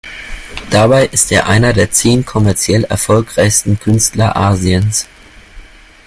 Dabei ist er einer der zehn kommerziell erfolgreichsten Künstler Asiens.